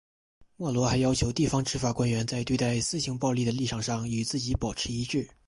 莫罗还要求地方执法官员在对待私刑暴力的立场上与自己保持一致。